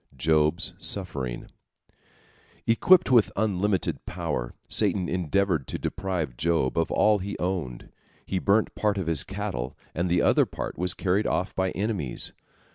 JOB'S SUFFERING Equipped with unlimited power, Satan endeavored to deprive Job of all he owned. He burnt part of his cattle, and the other part was carried off by enemies.